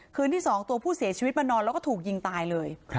คืนที่๒ตัวผู้เสียชีวิตมานอนแล้วก็ถูกยิงตายเลย